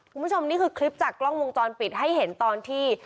คุณผู้ชมนี่คือคลิปจากกล้องวงจรปิดให้เห็นตอนที่